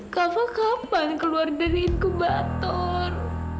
kamu kapan keluar dari inkubator